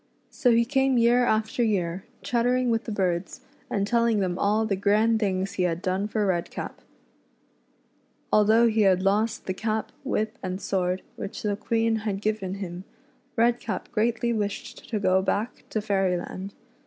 So he came year after year, chattering with the other birds, and telling them all the grand things he had done for Redcap. Although he had lost the cap, whip, and sword, which the Queen had given him. Redcap greatly wished to go back to Fairyland.